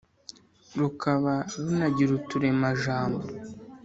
rukaba runagira uturemajambo